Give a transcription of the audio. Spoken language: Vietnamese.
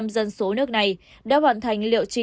bảy mươi năm dân số nước này đã hoàn thành